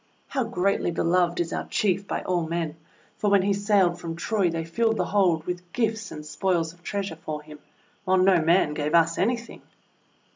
How greatly beloved is our Chief by all men, for when he sailed from Troy they filled the hold with gifts and spoils of treasure for him, while no man gave us anything!